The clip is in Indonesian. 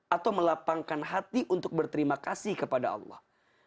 atau melapangkan hati untuk berterima kasih kepada allah